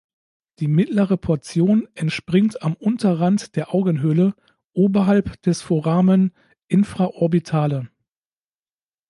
Die "mittlere Portion" entspringt am Unterrand der Augenhöhle oberhalb des Foramen infraorbitale.